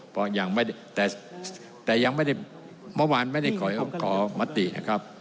ก็ยังไม่ได้แต่ยังไม่ได้เมื่อวานไม่ได้ขอมตินะครับ